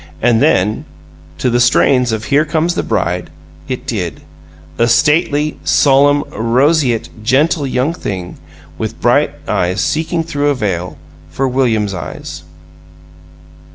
And then, to the strains of "Here Comes the Bride," it did a stately, solemn, roseate, gentle young thing with bright eyes seeking through a veil for William's eyes.